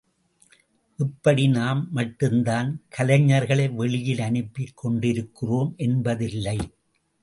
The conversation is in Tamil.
இப்படி நாம் மட்டும்தான் கலைஞர்களை வெளியில் அனுப்பிக் கொண்டிருக்கிறோம் என்பதில்லை.